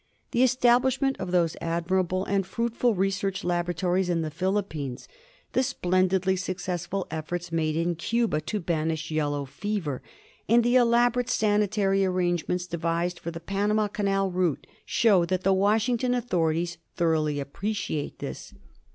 The establishment of those admirable and fruitful research laboratories in the Philippines, the splendidly successful efforts made in Cuba to banish yellow fever, and the elaborate sanitary arrangements devised for the Panama Canal route, show that the Washington authori ties thoroughly appreciate this.